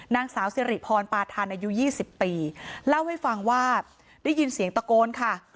นางสาวสิริพรปาทันอายุ๒๐ปีเล่าให้ฟังว่าได้ยินเสียงตะโกนค่ะ